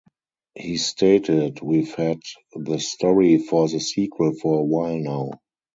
He stated, We've had the story for the sequel for a while now.